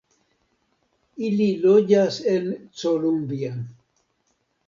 Ili loĝas en Columbia.